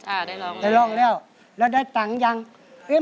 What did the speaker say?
อ่าได้ร่องแล้วได้ร่องแล้ว